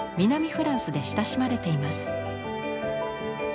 フランスで親しまれています。